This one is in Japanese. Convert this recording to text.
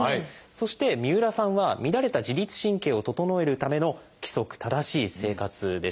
そして三浦さんは乱れた自律神経を整えるための「規則正しい生活」でした。